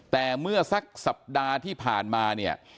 แต่เมื่อสักสัปดาห์ที่ผ่านมาเนี่ย